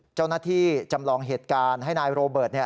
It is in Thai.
เจ้าหน้าที่จำลองเหตุการณ์ให้นายโรเบิร์ต